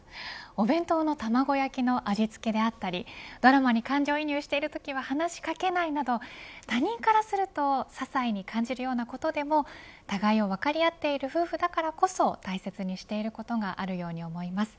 お弁当の卵焼きの味付けだったりドラマに感情移入しているときは話し掛けないなど他人からするとささいに感じるようなことでも互いを分かり合っている夫婦だからこそ大切にしていることがあるように思います。